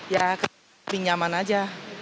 ya lebih nyaman aja